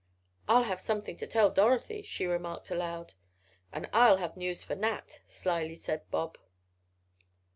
"I'll have something to tell Dorothy," she remarked aloud. "And I'll have news for Nat," slily said Bob.